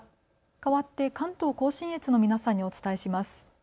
かわって関東甲信越の皆さんにお伝えします。